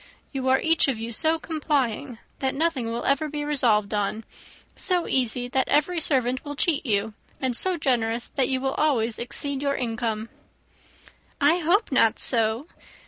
You are each of you so complying, that nothing will ever be resolved on; so easy, that every servant will cheat you; and so generous, that you will always exceed your income." "I hope not so.